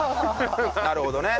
なるほどね。